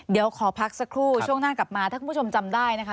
เดี๋ยวขอพักสักครู่ช่วงหน้ากลับมาถ้าคุณผู้ชมจำได้นะคะ